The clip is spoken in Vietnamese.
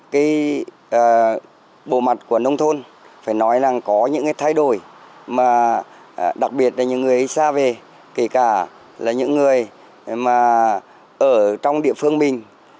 cái bộ mặt của nông thôn phải nói là có những cái thay đổi mà đặc biệt là những người xa về kể cả là những người mà ở trong địa phương mình